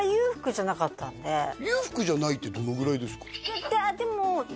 裕福じゃないってどのぐらいですか？